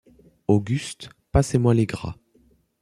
Auguste, passez-moi les gras !